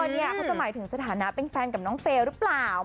นี่เขาจะหมายถึงสถานะเป็นแฟนกับน้องเฟย์หรือเปล่า